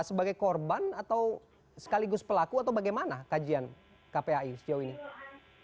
sebagai korban atau sekaligus pelaku atau bagaimana kajian kpai sejauh ini